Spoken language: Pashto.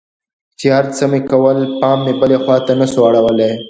چې هرڅه مې کول پام مې بلې خوا ته نه سو اړولى.